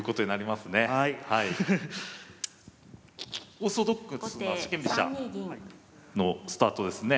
オーソドックスな四間飛車のスタートですね。